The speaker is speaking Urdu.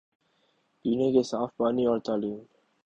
پینے کے صاف پانی اور تعلیم